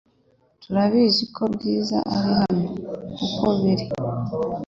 Turabizi ko Bwiza ari hano uko biri